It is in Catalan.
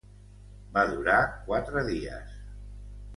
Va durar quatre dies.